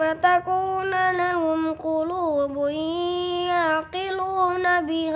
atau ada yang mengalami pemberian ke responded